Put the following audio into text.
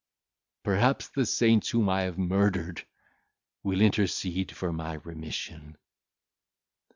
Perhaps the saints whom I have murdered will intercede for my remission."